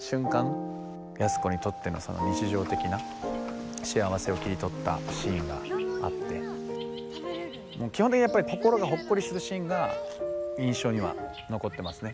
安子にとってのその日常的な幸せを切り取ったシーンがあってもう基本的にやっぱり心がほっこりするシーンが印象には残ってますね。